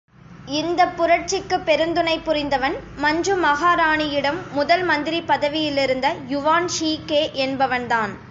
இந்தப் புரட்சிக்குப் பெருந்துணை புரிந்தவன், மஞ்சு மகாராணியிடம் முதல் மந்திரி பதவியிலிருந்த யுவான் ஷி கே என்பவன்தான்.